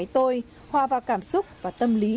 tôi hòa vào cảm xúc và tâm lý